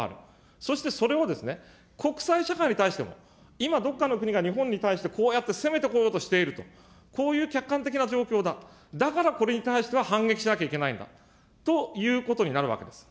そしてそれを国際社会に対しても、今、どこかの国が日本に対してこうやって攻めてこようとしていると、こういう客観的な状況だ、だからこれに対しては、反撃しなきゃいけないんだということになるわけです。